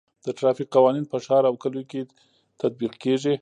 د ټرافیک قوانین په ښار او کلیو کې تطبیق کیږي.